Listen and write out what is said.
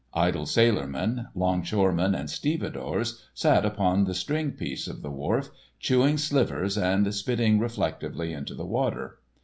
Idle sailormen, 'longshoremen and stevedores sat upon the stringpiece of the wharf, chewing slivers and spitting reflectively into the water.